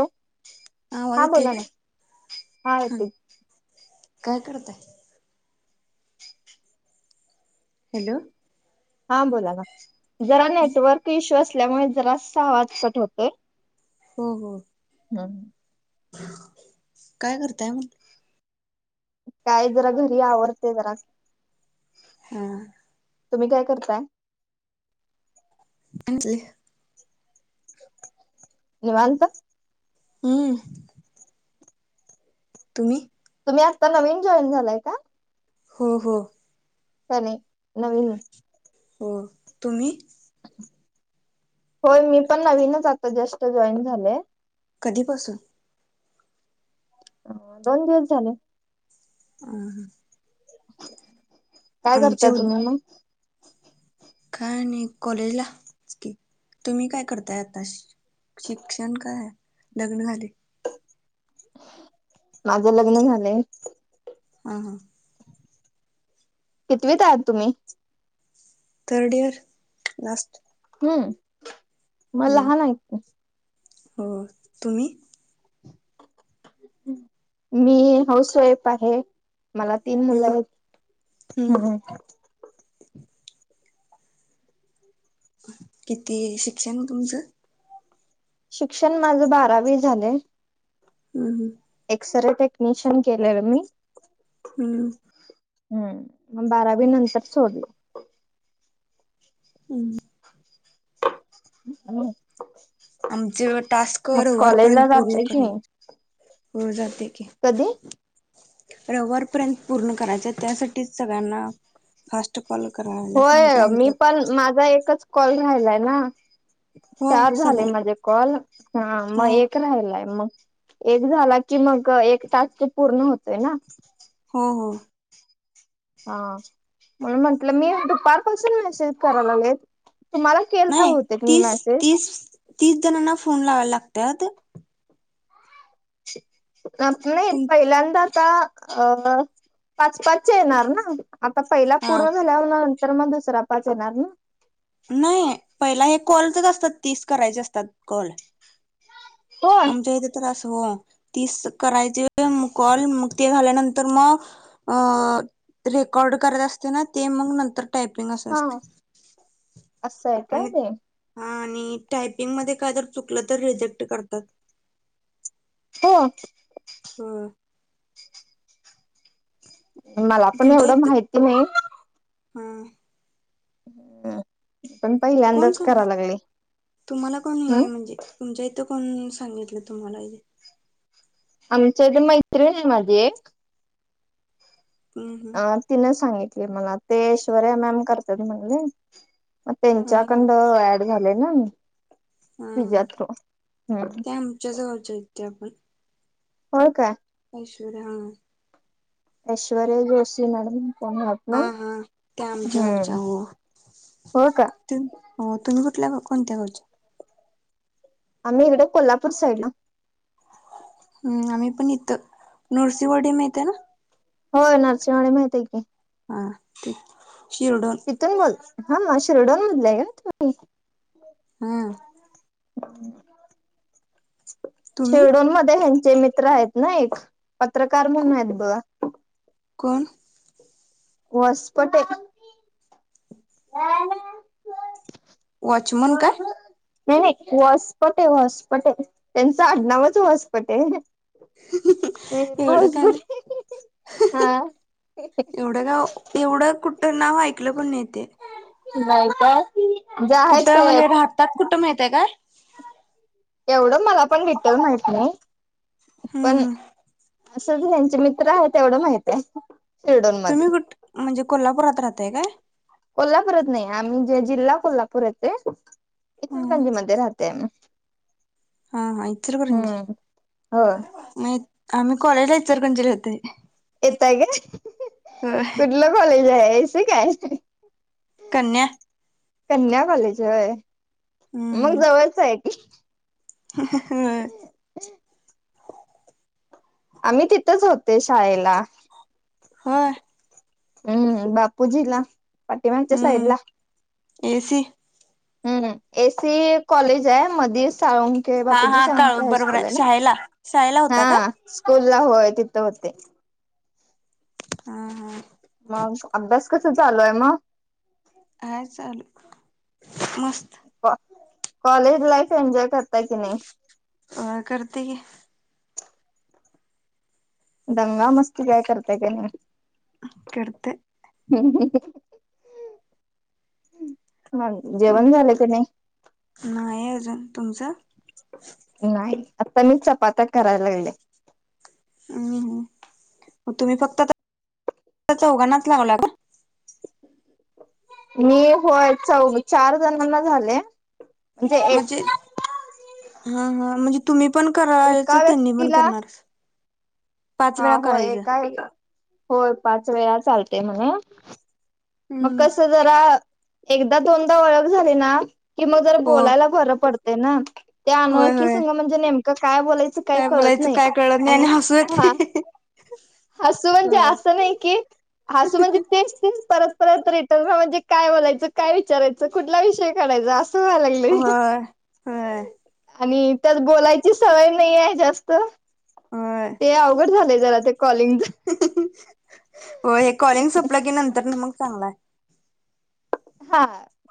Hello. आवाज हा येतोय बोला ना. काय? हा येतोय. काय करताय? हॅलो. हा बोला, ना जरा नेटवर्क इश्यू असल्यामुळे जरासा आवाज कट होतोय. हो हो.. हम.. काय करताय मग? काय जरा घरी आवरते जरा. हा हा.. तुम्ही काय करताय? [inaudible] निवांत! हम. तुम्ही? तुम्ही आत्ता नवीन जॉईन झालाय का? हो हो. लकाय नाही नवीन. हो तुम्ही? होय मी पण नवीनच आता जस्ट जॉईन झालेय. कधी पासून? दोन दिवस झाले. अ. [unintelligible] काय आमचे करताय उद तुम्ही मग? काय नाही कॉलेज ला तुम्ही काय करताय आता? शिक्षण काय लग्न झालय? माझं लग्न झालंय. हा हा. कितवीत आहात तुम्ही? Third year last. हम्म मग हम्म लहान हाय. हो तुम्ही? मी हाऊस वाईफ आहे मला. तीन मुलं हम्म आहेत हम्म ह. किती शिक्षण तुमचं? शिक्षण माझं बारावी झालंय. हम हम. एक्सरे टेक्निशियन केलय मी. हम्म. हम्म मग बारावी नंतर सोडल. हम्. हम्. आमचे टास्क वर वरपर्यंत पूर्ण जाते की करणे वर जाते की [unintelligible] कधी? रविवार पर्यंत पूर्ण करायचं त्यासाठीच सगळ्यांना. फस्ट कॉल करा मला होय सांगले मी आमच्यात. पण माझा एकच कॉल राहिलाय ना. हो चार झाले सगळं माझे कॉल हा मग एक. राहिलाय मग एक झाला की मग एक तास ते पूर्ण होतोय ना. हा हा. हा म्हणून म्हटलं मी दुपारपासून मेसेज करायला लागले तुम्हाला. केलता नाही बहुतेक मी तीस मेसेज तीस तीस जणांना फोन लावायला लागतात. [unintelligible] नाही तुम पहिल्यांदा आता. अ पाच पाचच्या येणार ना आता पहिला हा पूर्ण झाल्यावरन. तर मग दुसरा पाच येणार ना. नाही पहिला हे कॉलचच असतात तीस करायचे असतात कॉल. होय. आमच्या इथे तर अस हो तीस करायची कॉल मग ते झाल्यानंतर मग. अ रेकॉर्ड करत असते ना ते मग नंतर. टायपिंगच हा असते. असं आहे काय आणि ते हा आणि, टायपिंग मध्ये काय जर चुकल तर रिजेक्ट करतात. हो ह मला पण एवढ माहिती नाही. हम्म हम्म, पण कोण पहिल्यांदाच सांग करा लागले. तुम्हाला कोण हम्म हे म्हणजे तुमच्या इथ कोण सांगितल तुम्हाला हे. आमच्या इथे मैत्रीण आहे माझी एक. हम्म हम्म अ तिन सांगितली मला. ते ऐश्वर्या मॅम करतात म्हणले. म हा हा त्यांच्याकंड ऍड झाले ना पिझा थ्रू. तुमच्या जवळच्या आहेत त्या पण. होय का ऐश्वर्या हा ऐश्वरय जोशी मॅडम कोण आहेत. ना हा हा, त्या आमच्या हम्म गावच्या हो. हो का हो तुम्ही कुठल्या कोणत्या गावच्या. आम्ही इकड कोल्हापूर साईडला. हम्म, आम्ही पण इथ, नृसिंहवाडी माहित आहे ना. हो नृसिंहवाडी माहित आहेय की. हा शिरडून तुम्ही बोल, हा शिरोडोन मधल आहे का? हा तुम्ही? शिरडून मध्ये को ह्यांचे मित्र आहेत ना एक. पत्रकार म्हणून को- आहेत बघा. कोण? वसपटे [unintelligible] वॉचमन काय नाही नाही वसपटे वसपटे. त्यांच आडनावच वसपटे आहे. एवढं काय [unintelligible] एवढ कुठ नाव ऐकल पण नाही तेे. नाही का? जे आहे कुठ म्हणजे, भारतात कुठ मिळतय काय? एवढ मला पण डिटेल माहित नाही. हम्म पण हम्म असच, त्यांचे मित्र आहे तेवढ माहित आहे. शिर्डोन तुम्ही मध्ये कुठ, म्हणजे कोल्हापुरात राहताय काय? कोल्हापूरात नाही. आम्ही जे जिल्हा कोल्हापूर आहे ते. हम्म इचलकरंजी मध्ये राहतो. ते हा हा इचलकरंजी, हो नाही आम्ही कॉलेजला इचलकरंजीला होतोय. येतय काय? होय कुठल कॉलेज आहे, एसी काय? कन्या कन्या कॉलेज व्हय. मग हम्म जवळच आहे. [unintelligible] आम्ही तिथच होते शाळेला. होय हम्म बापूजीला पाटिमागच्या साईड हम्म ला. एसी हम् एसी कॉलेज आहे मध साळंग हा बापूजी हा काळू साळुंखे बरोबर हायस्कूल आहे ना शाळेला शाळेला होता का? हा स्कूल ला होय तिथं होते. हा हा मग अभ्यास कसा चालूय मग? काय चालू मस्त. कॉलेज लाईफ एन्जॉय करता की नाही? अ करते की. दंगा मस्ती काय करताय का नाही? करतय. ह जेवण झालं का नाही? नाही अजून तुमचं? नाही आता मी चपात्या करायला लागले. अम् मग तुम्ही फक्त आ चौघानाच लावला का? मी होय चौ चार जणांना झाले. म्हणजे म्हजे एक हा हा म्हणजे तुम्ही पण कराचं एका त्यांनी पण व्यक्तीला करणार. पाच हा वेळा होय करायचं ए होय पाच वेळा चालते म्हणे. मग हम्म कसं जरा एकदा दोनदा ओळख झाली ना की मग जर हो बोलायला बरं पड त्या होय अनोळखी होय संघ म्हणजे नेमकं काय बोलायचं. काही काय कळत बोलायचं नाही काय कळत नाही आणि हसू येतंय हा हसू म्हणजे होय असं नाही की हसू म्हणजे तेच तेच परत रत रिटर्न म्हणजे काय बोलायचं? काय विचारयचं? कुठला विषय काढायचा अस. स लागलंय. होय होय आणि त्यात बोलायची सवय नाही आहे जास्त. होय ते अवघड झालंय जरा ते कॉलिंग होय हे कॉलिंग सपलं की नंतर मग चांगलय हा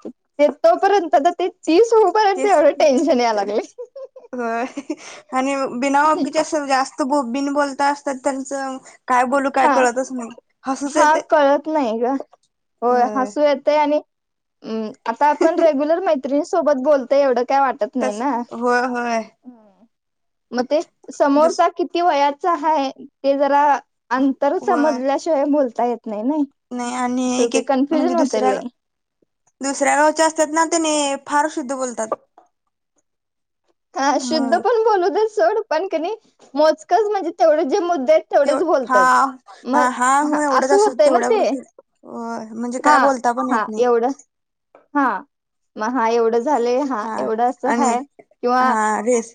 ते तोपर्यंत तर ते तीस हो ते आणि बिनावाच्या जास्त बोबबीन बोलता असतात त्यांचं काय बोलू काय हा कळतच नाही हसुच हा येतय. कळत नाही ग होय हसू येतय आणि. हम् आता आपण रेग्युलर मैत्रिणीसोबत बोलतोय एवढं काय वाटत. नाही तस ना होय होय मग ते दुस समोरचा किती वयाचा हाय ते जरा अंतर होय समजल्याशिवाय बोलता येत ना. नाही आणि एक एक म्हणजे दुसऱ्या दुसऱ्या गावच्या असतात ना त्याने फार शुद्ध बोलतात. हा शुद्ध मग पण बोलू दे सोड पण कणी मोजकच म्हणजे तेवढे जे मुद्दे आहेत. तेव तेवढेच हा बोलतात हा हा मग हो एवढंच असं असत होतय ना तेवढ्या ते पुरत होय म्हणजे हा काय बोलता पण हा येत नाही. एवढं हा मग हा एवढं झालंय. हा एवढं अस आणि हाय किंवा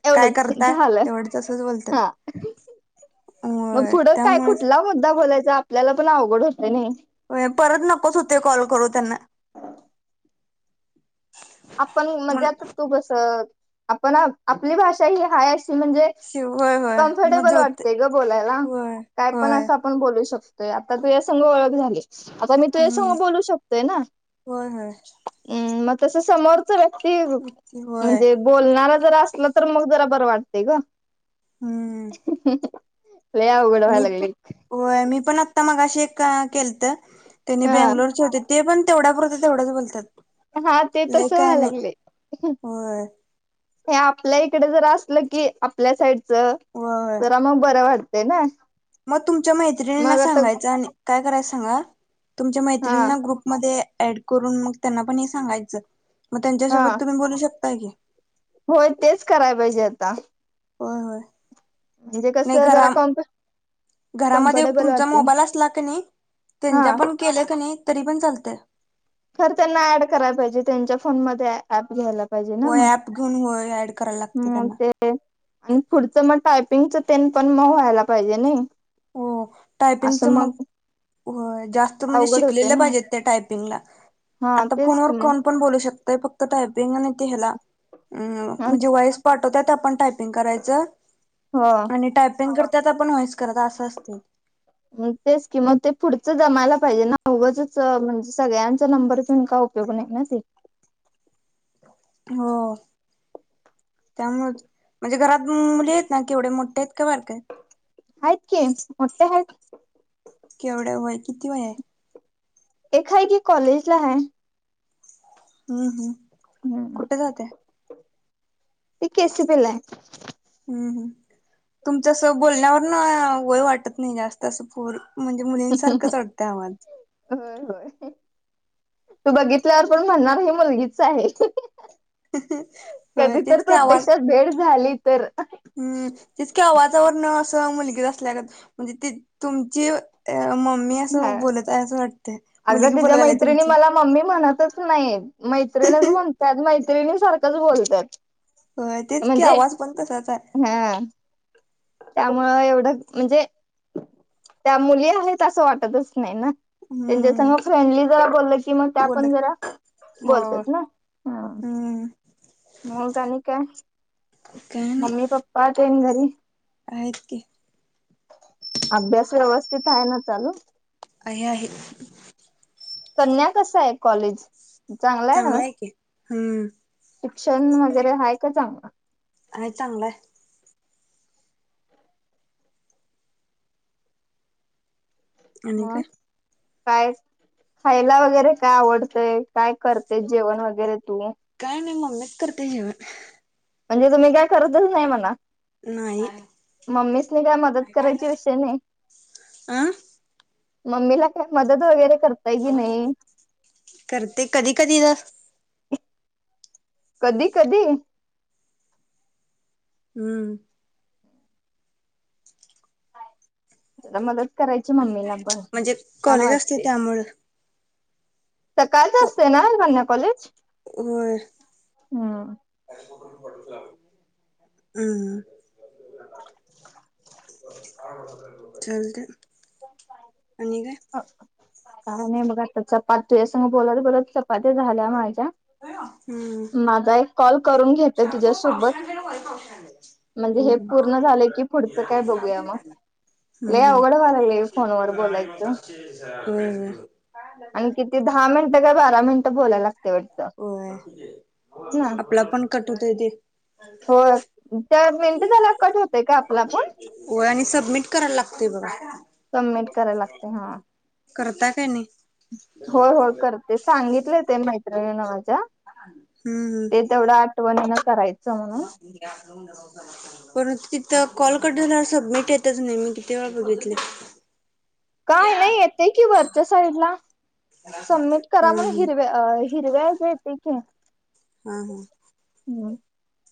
एवढंच झालं. तसं बोल हा मग पुढं काय त्यामुळे कुठला मुद्दा बोलायचा? आपल्याला पण अवघड होतय नाइ. होय परत नकोच होतय कॉल करू त्यांना [unintelligible] आपण मज मण आत तू कस आपण आपली भाषा ही हाय अशी म्हणजे, शिव होय होय मग कम्फर्टेबल जुळते वाटतय ग बोलायला, होय काय पण होय असं आपण बोलू शकतोय, आता तुझ्या संघ ओळख झाली आता मी तुझ्या हम्म सोबत बोलू शकतोय ना, होय होय मग तस समोर तरच कि होय म्हणजे बोलणार जर असलं, तर मग जरा बरं वाटतय ग. हम्म लय अवघड मी व्हायला प लागलय. होय मी पण आत्ता मगाशी एक केलत त्यांनी हा बेंगलोरचे होतीत, ते पण तेवढा पुरतं तेवढाच बोलत्यात. हा ते तस व्हाय लागलय. होय हे आपल्या इकड जरा असल की आपल्या साईडच होय जरा मग बरं वाटत ते नइ. मग तुमच्या मैत्रिणीना सांगायचं आणि काय करायच सांगा, तुमच्या हा मैत्रिणींना ग्रुपमध्ये ऍड करून मग त्यांना पण हे सांगायचं, मग हा त्यांच्यासोबत तुम्ही बोलू शकता की, होय, तेच करायला पाहिजे आता. होय, होय, म्हणजे, कस नाही घरा जरा [unintelligible] घरामध्ये कम्फर्टेबल तुमचा वाटते मोबाईल असला का नाही, हा त्यांच्या पण केलं कनि तरी पण चालतय, खर त्यांना ऍड कराय पाहिजे त्यांच्या फोनमध्ये ॲप घ्यायला पाहिजे ना होय मग. ऍप घेऊन होय ऍड करायला लागतं त्यांना आणि पुढचं मग टायपिंगच तेन पण मग व्हायला पाहिजे नाही. हो, टायपिंगच मग होय जास्त म्हणजे अवघड होते शिकलेलं ना पाहिजेत टायपिंगला हा आता तेच फोनवर कि मग कोण पण बोलू शकतय, फक्त टायपिंग आणि ते हेला, अम.. म्हणजे वॉईस पाठवतात आपण टायपिंग करायचं, हो त्यांनी टायपिंग करता आपण वॉईस करत असं असतय. [inaudible] तेच किम ते पुढचं जमायला पाहिजे. ना उगचच म्हणजे सगळ्यांचा नंबर देऊन काय उप योग नाही ना ते. हो, त्यामुळच म्हणजे घरात मुली आहेत ना केवढे मोठे आहेत का बारक्या आहेत? आहेत की, मोठ्या हाईत. केवढं वय किती वय आहे? एक हाय की कॉलेज ला हाय. हम्म हम्म हम्म.. कुठे जाते ते केस दिलाय. हम्म हम् तुमच्या असं बोलण्यावर न वय वाटत नाही जास्त असं पूर म्हणजे, मुलींसारखंच वाडतंय आवाज. होय होय, तू बघितल्यावर पण म्हणणार हे मुलगीच आहे. होय कधी तर तेच की आवाज प्रत्यक्षात भेट झाली तर हम्म.. तेच कि आवाजावर न असं मुलगीच असल्यागत म्हणजे, ते तुमची मम्मी हा असं बोलत हाय असं वाट अगं तिच्या मैत्रिणी मला मम्मी म्हणतच नाहीत मैत्रिण म्हणत त्यात मैत्रिणी सारखंच बोलतात होय तेच की म्हणजे आवाज पण तसाच आहे हा. त्यामुळे एवढं म्हणजे त्या मुली आहेत असं वाटतच नाही ना, त्यांच्या हम्म. संग फ्रेंडली जरा बोललं की मग त्या बोललं पण की जरा होय बोलत्यात ना हा. हम्म मग आणि काय, काय नाही मम्मी पप्पा तेन घरी? आहेत की. अभ्यास व्यवस्थित हाय ना चालू? आहे, आहे. कन्या कसं आहे कॉलेज? चांगला आहे की हम्म. शिक्षण वगैरे हाय का चांगलं? हाय चांगला आहे. आणि काय? मग कायस खायला वगैरे काय आवडतंय काय करतेस जेवण वगैरे तू? काय नाय मम्मीच करते जेवण. म्हणजे तुम्ही काय करतच नाही म्हणा. नाही. मम्मीसनी काय मदत करायची विषय नाही? आं मम्मीला काय मदत वगैरे करताय की नाही? करते कधी-कधीतर. कधी-कधी हम्म. जरा मदत करायची मम्मीला पण म्हणजे छान कॉलेज असते वाटतय. त्यामुळं सकाळचं असतंय ना कन्या कॉलेज? होय. हम्म हम्म. चालतंय आणि काय? काय नाही बघा आता चपाती तुझ्या संग बोलत बोलत चपात्या झाल्या माझ्या. हो हम्म घेते शाबू पावशर तुझ्यासोबत आणल्यालं वरी पावशर आणल्यालं. म्हणजे हे पूर्ण झालं की पुढचं काय बघूया मग लैई अवघड व्हाय लागलंय. व्हय व्हय. आणि किती दहा मिनटं काय बारा मिनटं बोलाय लागतंय वाट होय आपलं आपण कट होतंय तेे. हो त्या मिनटं झाल्यावर कट होतंय का आपला आपुण? वय आणि सबमिट करायला लागतोय बघा. सबमिट करायला लागतंय हा. करताय काय नाही? होय होय करते सांगितलंय त्यानी मैत्रिणीनं माझ्या. हम्म ते हम्म. तेवढं आठवणीनं करायचं म्हणून. [unintelligible] परंतु तिथं कॉल कट झाल्यावर सबमिट येतंच नाही मी किती वेळा बघितले. काय नाही येतंय कि वरच्या साईडला सबमिट करा हम्म म्हणून हम्म हिरव्या अं हिरव्या असं येतंय की हं हं हम्